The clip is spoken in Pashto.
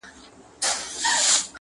• چي اسمان ته پورته کېږي له غروره -